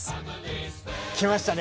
きましたね